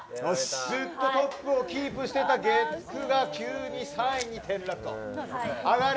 ずっとトップをキープしていた月９が急に３位転落。